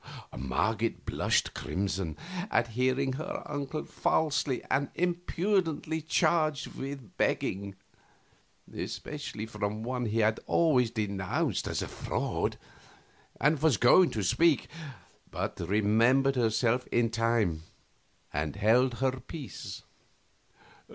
Marget blushed crimson at hearing her uncle falsely and impudently charged with begging, especially from one he had always denounced as a fraud, and was going to speak, but remembered herself in time and held her peace.